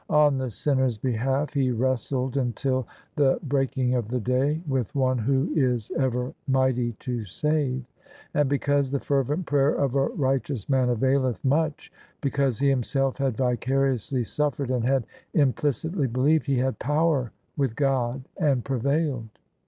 On the sinner's behalf he wrestled until the breaking of the day with One Who is ever mighty to save : and because the fervent prayer of a righteous man availeth much — ^because he himself had vicariously suffered and had implicitly believed — ^he had power with Gfod and prevailed.